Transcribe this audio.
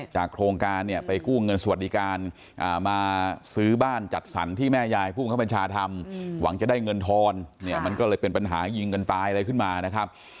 โครงการเนี่ยไปกู้เงินสวัสดิการมาซื้อบ้านจัดสรรที่แม่ยายผู้บังคับบัญชาทำหวังจะได้เงินทอนเนี่ยมันก็เลยเป็นปัญหายิงกันตายอะไรขึ้นมานะครับ